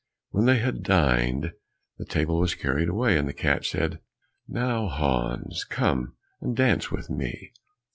When they had dined, the table was carried away, and the cat said, "Now, Hans, come and dance with me."